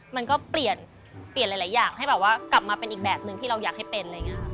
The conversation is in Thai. มันก็เปลี่ยนหลายอย่างให้ปลาว่ากลับมาเป็นอีกแบบนึงที่เราอยากให้เป็น